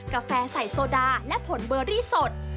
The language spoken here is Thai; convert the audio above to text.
กาแฟใส่โซดาและผลเบอรี่สด